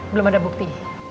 belum ada bukti